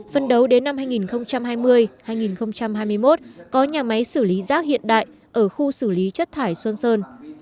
phân đấu đến năm hai nghìn hai mươi hai nghìn hai mươi một có nhà máy xử lý rác hiện đại ở khu xử lý chất thải xuân sơn